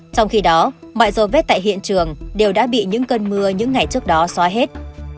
trong khi đó mọi dấu vết tại hiện trường đều đã bị những cơn mưa những ngày trước đó xóa hết